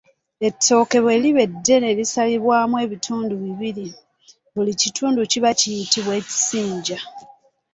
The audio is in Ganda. Ettooke bwe liba eddene lisalibwamu ebitundu bibiri; buli kitundu kiba kiyitibwa Ekisinja.